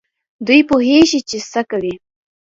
دوی پوهېږي چي څه کوي.